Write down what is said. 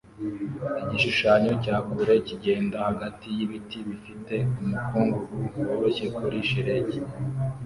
Igishushanyo cya kure kigenda hagati y'ibiti bifite umukungugu woroshye kuri shelegi